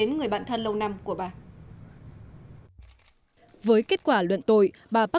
có những cái kỷ niệm ktering len bị phands of a